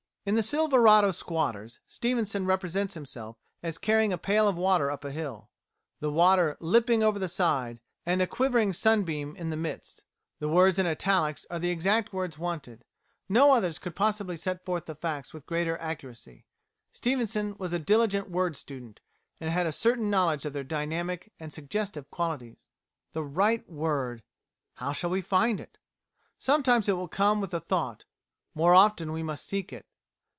In "The Silverado Squatters," Stevenson represents himself as carrying a pail of water up a hill: "the water lipping over the side, and a quivering sunbeam in the midst." The words in italics are the exact words wanted; no others could possibly set forth the facts with greater accuracy. Stevenson was a diligent word student, and had a certain knowledge of their dynamic and suggestive qualities. The right word! How shall we find it? Sometimes it will come with the thought; more often we must seek it.